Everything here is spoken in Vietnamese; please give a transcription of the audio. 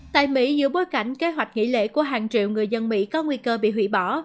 tại mỹ giữa bối cảnh kế hoạch nghỉ lễ của hàng triệu người dân mỹ có nguy cơ bị hủy bỏ